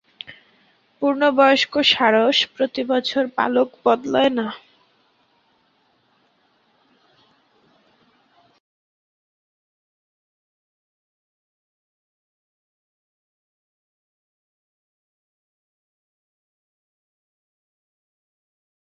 পূর্ণবয়স্ক সারস প্রতিবছর পালক বদলায় না।